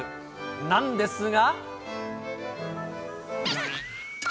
なんですが。